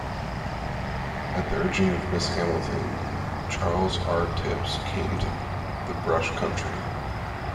At the urging of Mrs. Hamilton, Charles R. Tips came to the Brush Country.